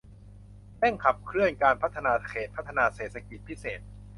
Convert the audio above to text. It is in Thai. เร่งขับเคลื่อนการพัฒนาเขตพัฒนาเศรษฐกิจพิเศษ